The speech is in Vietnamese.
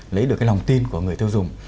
lấy được cái lòng tin của người tiêu dùng